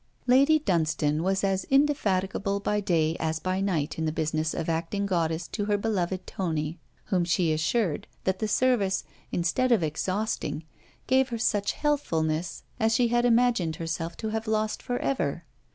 Lady Dunstane was as indefatigable by day as by night in the business of acting goddess to her beloved Tony, whom she assured that the service, instead of exhausting, gave her such healthfulness as she had imagined herself to have lost for ever.